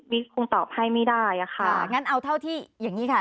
คงตอบให้ไม่ได้อะค่ะงั้นเอาเท่าที่อย่างนี้ค่ะ